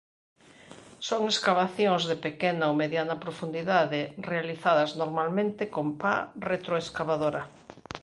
Son escavacións de pequena ou mediana profundidade realizadas normalmente con pa retroescavadora.